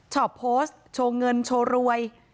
ชอบโพสต์โชว์เงินโชว์รวย